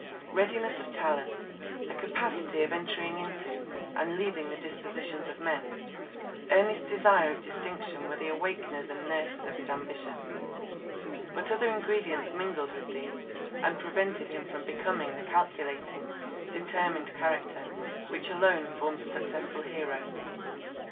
Readiness of talent, a capacity of entering into, and leading the dispositions of men; earnest desire of distinction were the awakeners and nurses of his ambition. But other ingredients mingled with these, and prevented him from becoming the calculating, determined character, which alone forms a successful hero.